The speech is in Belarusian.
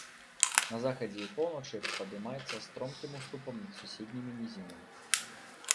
На захадзе і поўначы падымаецца стромкім уступам над суседнімі нізінамі.